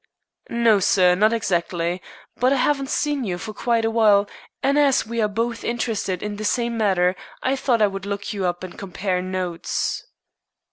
"No, sir, not exactly. But I haven't seen you for quite a while, and as we are both interested in the same matter I thought I would look you up and compare notes."